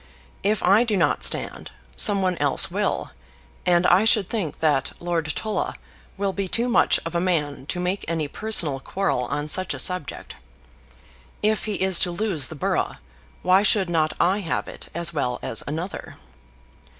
If I do not stand, some one else will, and I should think that Lord Tulla will be too much of a man to make any personal quarrel on such a subject. If he is to lose the borough, why should not I have it as well as another?